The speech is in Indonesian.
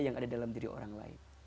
yang ada dalam diri orang lain